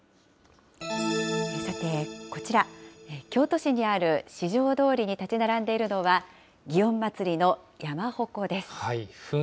さて、こちら、京都市にある四条通に建ち並んでいるのは、祇園祭の山鉾です。